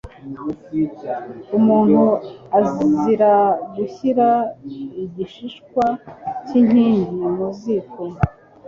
Umuntu azira gushyira igishishwa cy’inkingi mu ziko,